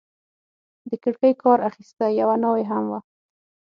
د کړکۍ کار اخیسته، یوه ناوې هم وه.